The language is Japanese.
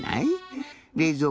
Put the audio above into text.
れいぞう